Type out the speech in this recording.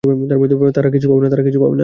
তারা কিছু পাবে না।